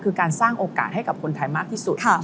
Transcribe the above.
คือการสร้างโอกาสให้กับคนไทยมากที่สุด